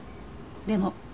でも。